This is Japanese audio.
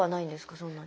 そんなに。